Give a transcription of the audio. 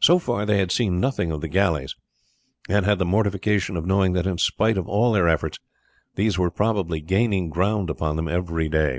So far they had seen nothing of the galleys, and had the mortification of knowing that in spite of all their efforts these were probably gaining ground upon them every day.